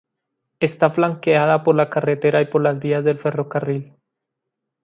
Está flanqueada por la carretera y por las vías del ferrocarril.